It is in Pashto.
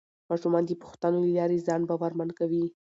ماشومان د پوښتنو له لارې ځان باورمن کوي